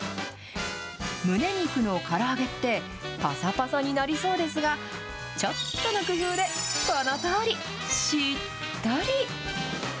むね肉のから揚げって、ぱさぱさになりそうですが、ちょっとの工夫でこのとおり、しっとり。